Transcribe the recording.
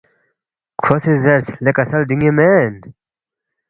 کھو سی زیرس، لے کسل دیُو ن٘ی مین